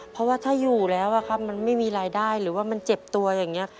เพราะว่าถ้าอยู่แล้วมันไม่มีรายได้หรือว่ามันเจ็บตัวอย่างนี้